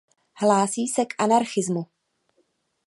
Hlásí se k anarchismu.